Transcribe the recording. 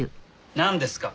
なんですか？